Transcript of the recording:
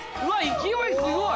勢いすごい！